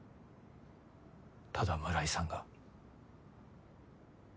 ただ村井さんが。